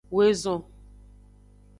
Woezon.